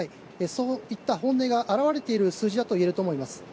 そういった本音が表れている数字だといえると思います。